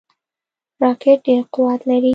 راکټ ډیر قوت لري